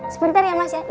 sebentar ya mas ya